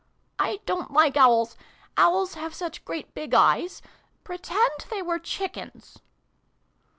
" I don't like Owls. Owls have such great big eyes. Pretend they were Chickens